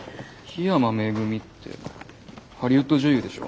緋山恵ってハリウッド女優でしょ？